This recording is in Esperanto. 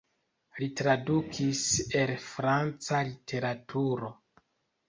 Li tradukis el franca literaturo.